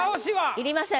いりません。